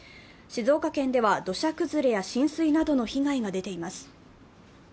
静岡県では土砂崩れや浸水などの被害が出ています。